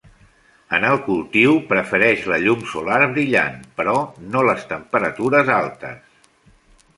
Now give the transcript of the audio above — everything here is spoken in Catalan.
En el cultiu prefereix la llum solar brillant, però no les temperatures altes.